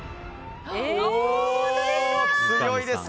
強いですね。